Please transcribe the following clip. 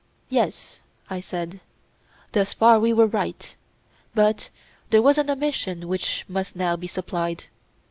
Yes, I said, thus far we were right; but there was an omission which must now be supplied.